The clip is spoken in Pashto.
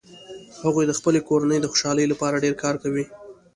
هغوي د خپلې کورنۍ د خوشحالۍ لپاره ډیر کار کوي